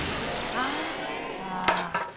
ああ。